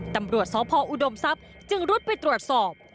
ตำรวจสพออุดมทรัพย์จึงรุดไปตรวจสอบ